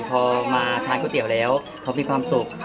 พอมาทานก๋วยเตี๋ยวแล้วเขามีความสุข